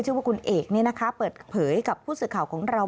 ชื่อว่าคุณเอกเปิดเผยกับผู้สื่อข่าวของเรา